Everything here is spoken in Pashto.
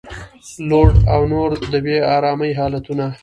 لوډ او نور د بې ارامۍ حالتونه